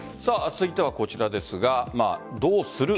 続いてはこちらですがどうする？